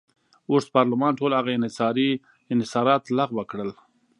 اوږد پارلمان ټول هغه انحصارات لغوه کړل.